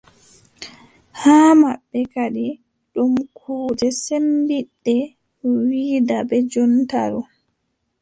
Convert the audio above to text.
Haa maɓɓe kadi ɗum kuuje sembinnde wiʼɗaa ɓe jonta ɗo.